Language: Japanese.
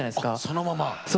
そのまま。